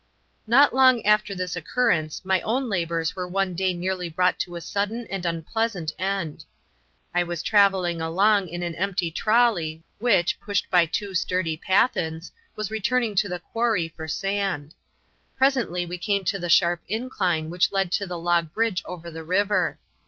Not long after this occurrence my own labours were one day nearly brought to a sudden and unpleasant end. I was travelling along in an empty trolley which, pushed by two sturdy Pathans, was returning to the quarry for sand. Presently we came to the sharp incline which led to the log bridge over the river.